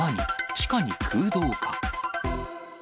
地下に空洞か？